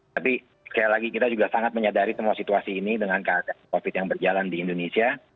tapi sekali lagi kita juga sangat menyadari semua situasi ini dengan keadaan covid yang berjalan di indonesia